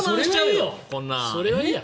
それはいいや。